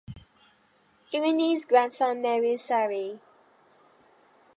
Irini's grandson marries Sari.